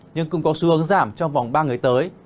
nhưng cũng có xu hướng giảm trong vòng ba ngày tới